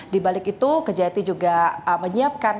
di balik itu kejati juga menyiapkan